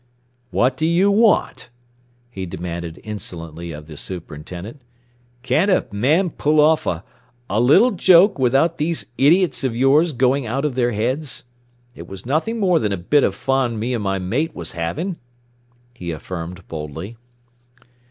"What do you want?" he demanded insolently of the superintendent. "Can't a man pull off a a little joke without these idiots of yours going out of their heads? It was nothing more than a bit of fun me and my mate was having," he affirmed boldly.